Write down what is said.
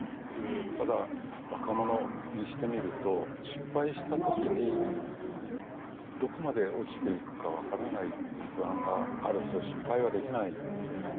ただ、若者にしてみると失敗したときにどこまで落ちていくか分からないっていう不安があると失敗はできないんですよね。